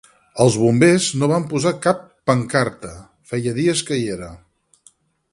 Els bombers no van posar cap pancarta, feia dies que hi era.